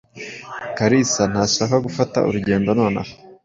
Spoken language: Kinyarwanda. Kalisa ntashaka gufata urugendo nonaha.